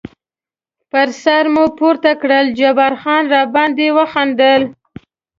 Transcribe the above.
پر سر مو پورته کړل، جبار خان را باندې وخندل.